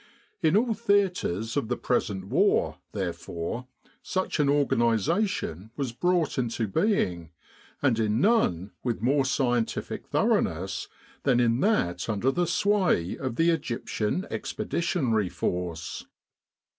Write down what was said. In all theatres of the present war, therefore, such an organisation was brought into being, and in none with more scientific thoroughness than in that under sway of the Egyptian Expedition ary Force.